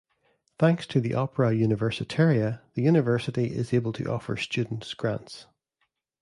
Thanks to the Opera Universitaria, the University is able to offer students grants.